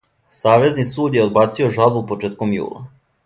Савезни суд је одбацио жалбу почетком јула.